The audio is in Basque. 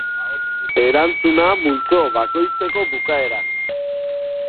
Erantzuna multzo bakoitzeko bukaeran.